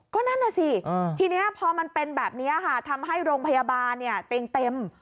ก็นั่นน่ะสิทีนี้พอมันเป็นแบบนี้ค่ะทำให้โรงพยาบาลเนี่ยเต็งเต็ม